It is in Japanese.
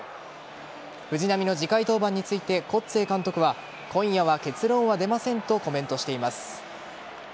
藤浪の次回登板についてコッツェー監督は今夜は結論は出ませんとコメントしています。